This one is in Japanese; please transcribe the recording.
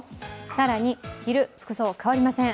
更に昼、服装、変わりません。